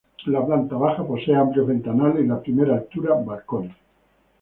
La planta baja posee amplios ventanales y la primera altura balcones.